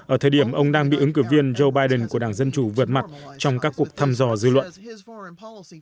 ở thời điểm ông đang bị ứng cử viên joe biden của đảng dân chủ vượt mặt trong các cuộc thăm dò dư luận